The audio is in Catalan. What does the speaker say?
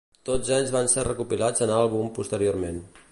Tots ells van ser recopilats en àlbum posteriorment.